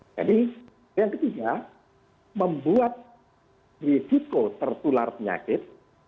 jadi yang ketiga membuat risiko tertular penyakit